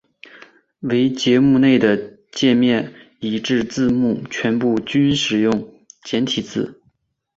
唯节目内的介面以至字幕全部均使用简体字。